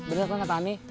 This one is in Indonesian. bener kan kata ani